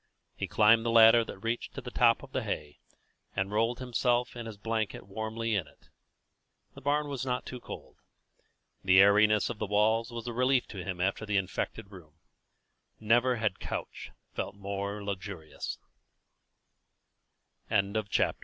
He climbed the ladder that reached to the top of the hay, and rolled himself and his blanket warmly in it. The barn was not cold. The airiness of the walls was a relief to him after the infected room. Never had couch felt more luxurious.